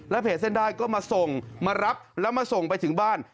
เพจเส้นได้ก็มาส่งมารับแล้วมาส่งไปถึงบ้าน